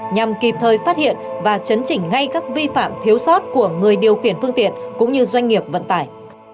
nhằm kịp thời phát hiện và chấn chỉnh ngay các vi phạm thiếu sót của người điều khiển phương tiện cũng như doanh nghiệp vận tải